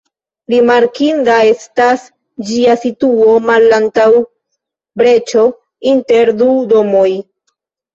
Rimarkinda estas ĝia situo malantaŭ breĉo inter du domoj.